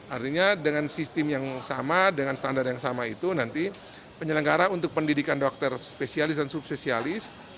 artinya dengan sistem yang sama dengan standar yang sama itu nanti penyelenggara untuk pendidikan dokter spesialis dan subsesialis